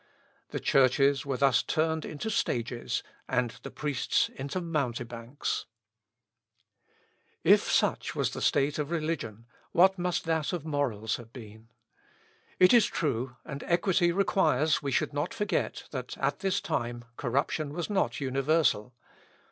The churches were thus turned into stages, and the priests into mountebanks. Œcolampad. De Risu Paschali. If such was the state of religion, what must that of morals have been? It is true, and equity requires we should not forget, that, at this time, corruption was not universal.